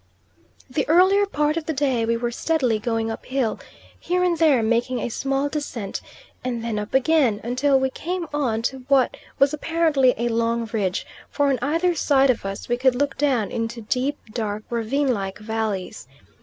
The earlier part of the day we were steadily going up hill, here and there making a small descent, and then up again, until we came on to what was apparently a long ridge, for on either side of us we could look down into deep, dark, ravine like valleys.